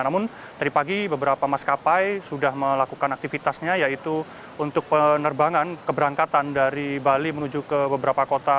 namun tadi pagi beberapa maskapai sudah melakukan aktivitasnya yaitu untuk penerbangan keberangkatan dari bali menuju ke beberapa kota